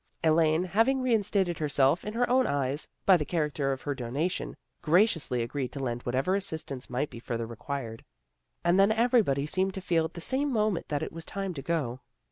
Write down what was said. Elaine having reinstated herself in her own eyes, by the character of her donation, gra ciously agreed to lend whatever assistance might be further required, and then everybody seemed to feel at the same moment that it was time to go.